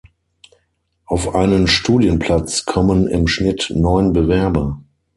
Auf einen Studienplatz kommen im Schnitt neun Bewerber.